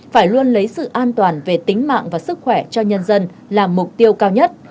phải luôn lấy sự an toàn về tính mạng và sức khỏe cho nhân dân là mục tiêu cao nhất